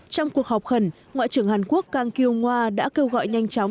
trong cuộc họp khẩn ngoại trưởng hàn quốc kang kyong hwa đã kêu gọi nhanh chóng